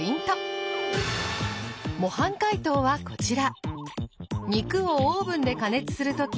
模範解答はこちら。